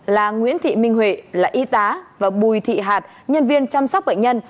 là nguyễn thị minh huệ là y tá và bùi thị hạt nhân viên chăm sóc bệnh nhân